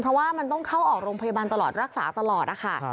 เพราะว่ามันต้องเข้าออกโรงพยาบาลตลอดรักษาตลอดนะคะ